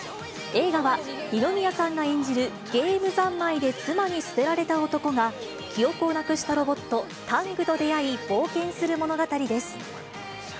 映画は、二宮さんが演じるゲーム三昧で妻に捨てられた男が、記憶をなくしたロボット、タングと出会い冒険する物語です。